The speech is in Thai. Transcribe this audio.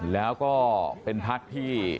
แล้วก็เป็นพักที่